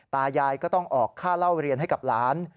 ตายายก็ต้องออกค่าเล่าเรียนให้กับหลาน